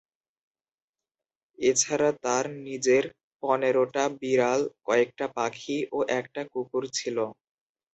এছাড়া, তার নিজের পনেরোটা বিড়াল, কয়েকটা পাখি ও একটা কুকুর ছিল।